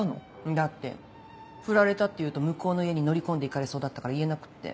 だってふられたって言うと向こうの家に乗り込んでいかれそうだったから言えなくって。